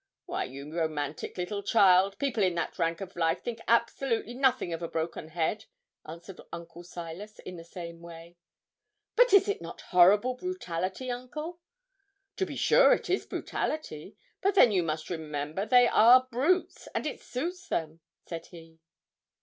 'Why, you romantic little child, people in that rank of life think absolutely nothing of a broken head,' answered Uncle Silas, in the same way. 'But is it not horrible brutality, uncle?' 'To be sure it is brutality; but then you must remember they are brutes, and it suits them,' said he.